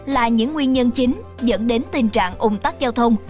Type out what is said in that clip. là những nguyên nhân chính dẫn đến tình trạng ủng tắc giao thông